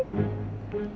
makasih ya mas randy